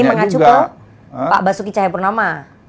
ini mengacu ke pak basuki cahayapurnama